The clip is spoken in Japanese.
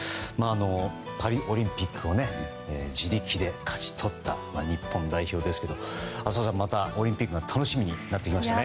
パリオリンピックを自力で勝ち取った日本代表ですが浅尾さん、またオリンピックが楽しみになってきましたね。